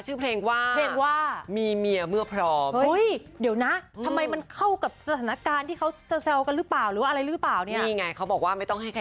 ชื่อเพลงว่า